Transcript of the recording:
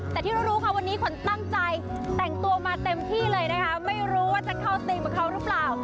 แต่ที่รู้ค่ะวันนี้ขวัญตั้งใจแต่งตัวมาเต็มที่เลยนะคะไม่รู้ว่าจะเข้าธีมกับเขาหรือเปล่า